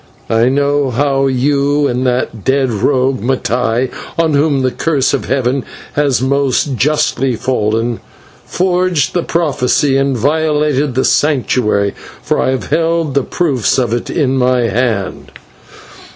I know how you and that dead rogue, Mattai, on whom the curse of heaven has most justly fallen, forged the prophecy and violated the sanctuary, for I have held the proofs of it in my hand."